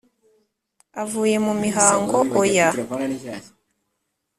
avuye mu mihango oya